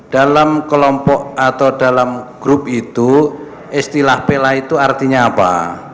dalam kelompok atau dalam grup itu istilah pela itu artinya apa